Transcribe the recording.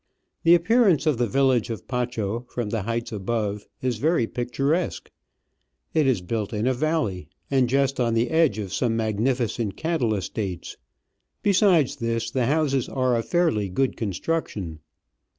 The appearance of the village of Pacho from the heights above is very picturesque : it is built in a valley, and just on the edge of some magnificent cattle estates ; besides this, the houses are of fairly good construction.